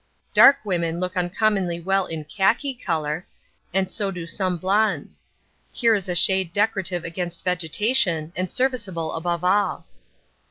Dark women look uncommonly well in khaki colour, and so do some blonds. Here is a shade decorative against vegetation and serviceable above all.